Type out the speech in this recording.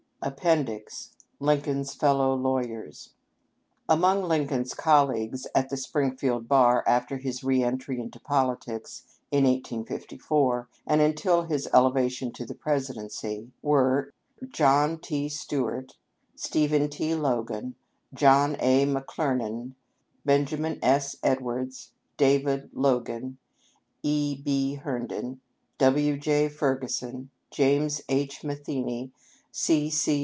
— George W. Minier, statement, Apr. lo, 1882. LINCOLN S FELLOW LAWYERS. Among Lincoln's colleagues at the Springfield bar, after his re entry into politics in 1854, and until his elevation to the Pres idency, were, John T. Stuart, Stephen T. Logan, John A. Mc Clernand, Benjamin S. Edwards, David Logan, E. B. Herndon, W. J. Ferguson, James H. Matheney, C. C.